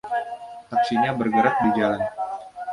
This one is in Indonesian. Taksinya bergerak di jalan.